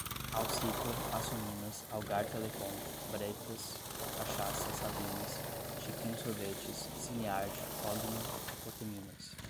Alcicla, Açominas, Algar Telecom, Bretas, Cachaça Salinas, Chiquinho Sorvetes, Cineart, Cogna, Coteminas